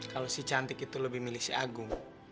kalau si cantik itu lebih milih si agung